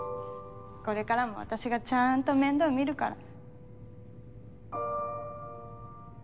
これからも私がちゃんと面倒見るから。